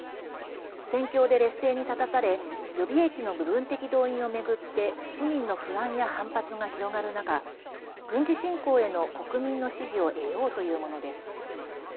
戦況で劣勢に立たされ予備役の部分的動員を巡って市民の不安や反発が広がる中軍事侵攻への国民の支持を得ようというものです。